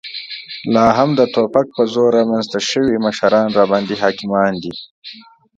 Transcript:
لا هم د توپک په زور رامنځته شوي مشران راباندې حاکمان دي.